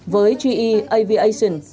với ge aviation